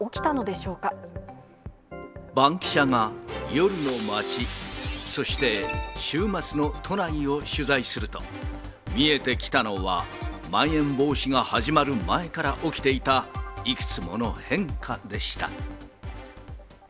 バンキシャが夜の街、そして、週末の都内を取材すると、見えてきたのは、まん延防止が始まる前から起きていた、いくつもの変化でした。